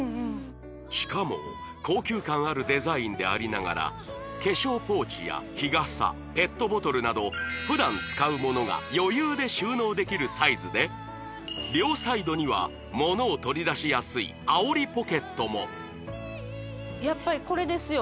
しかも高級感あるデザインでありながら化粧ポーチや日傘ペットボトルなど普段使うものが余裕で収納できるサイズで両サイドには物を取り出しやすいあおりポケットもやっぱりこれですよ